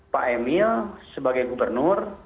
pak emil sebagai gubernur